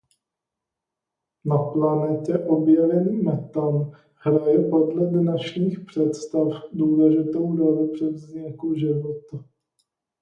Na planetě objevený metan hraje podle dnešních představ důležitou roli při vzniku života.